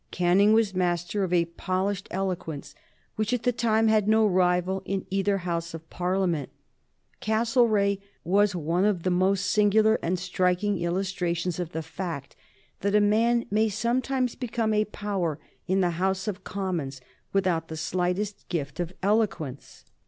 Canning was master of a polished eloquence which, at the time, had no rival in either House of Parliament. Castlereagh was one of the most singular and striking illustrations of the fact that a man may sometimes become a power in the House of Commons without the slightest gift of eloquence.